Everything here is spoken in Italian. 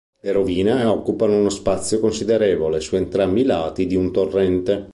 Le rovine occupano uno spazio considerevole su entrambi i lati di un torrente.